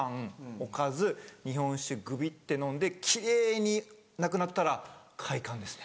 おかず日本酒ぐびって飲んで奇麗になくなったら快感ですね。